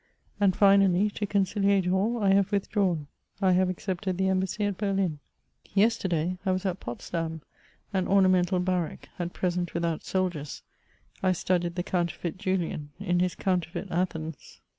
And finally, to conciliate all, I have withdrawn; I have accepted the embassy at Berlin. l2 148 MEMOIRS OF Yesterday, I was at Potsdam, an omameiital barrack, at present without soldiers: I studied tke counterfeit Julian, in bis counterfeit Atbens.